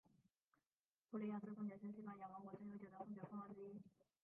弗里亚斯公爵是西班牙王国最悠久的公爵封号之一。